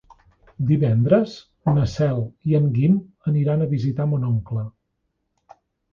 Divendres na Cel i en Guim aniran a visitar mon oncle.